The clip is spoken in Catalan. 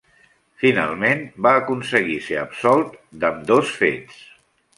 Finalment va aconseguir ser absolt d'ambdós fets.